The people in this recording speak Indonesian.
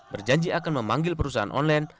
berjanji akan memanggil perusahaan online